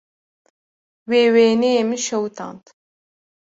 Wê wêneyê min şewitand.